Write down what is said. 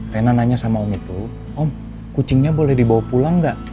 rena nanya sama om itu om kucingnya boleh dibawa pulang gak